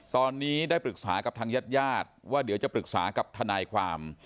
ตอนนี้ได้ปรึกษากับทางญาติญาติว่าเดี๋ยวจะปรึกษากับทนายความ